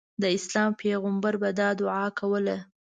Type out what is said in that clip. د اسلام پیغمبر به دا دعا کوله.